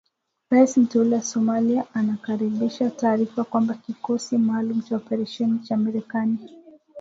Rais mteule wa Somalia anakaribisha taarifa kwamba kikosi maalum cha operesheni cha Marekani.